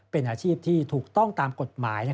เป็นอาชีพที่ถูกต้องตามกฎหมาย